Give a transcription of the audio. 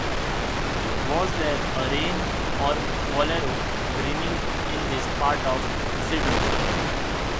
Was there a Rain or Wallaroo Dreaming in this part of Sydney?